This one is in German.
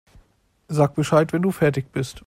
Sag Bescheid, wenn du fertig bist.